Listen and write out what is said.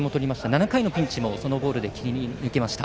７回のピンチもそのボールで切り抜けました。